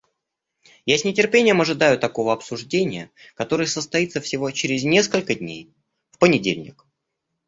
Я с нетерпением ожидаю такого обсуждения, которое состоится всего через несколько дней, в понедельник.